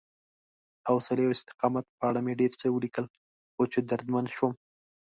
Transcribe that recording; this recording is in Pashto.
حوصلې او استقامت په اړه مې ډېر څه ولیکل، خو چې دردمن شوم